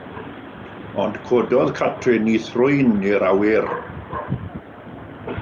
Ond cododd Catrin ei thrwyn i'r awyr.